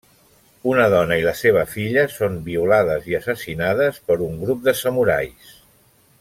Una dona i la seva filla són violades i assassinades per un grup de samurais.